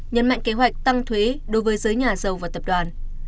nhấn mạnh kế hoạch tăng thuế đối với giới nhà giàu và tập đoàn